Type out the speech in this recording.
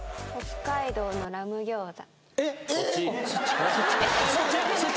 北海道の何餃子？